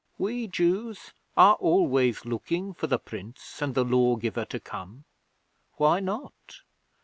We Jews are always looking for the Prince and the Lawgiver to come. Why not?